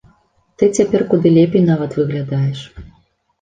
Ты цяпер куды лепей нават выглядаеш.